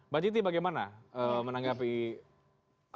mbak jiti bagaimana menanggapi apa yang sudah dilakukan